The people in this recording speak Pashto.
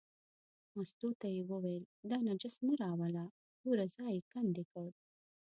مستو ته یې وویل دا نجس مه راوله، ګوره ځای یې کندې کړ.